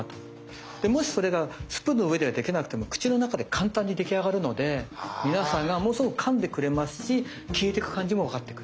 でもしそれがスプーンの上ではできなくても口の中で簡単に出来上がるので皆さんがものすごくかんでくれますし消えていく感じもわかってくれる。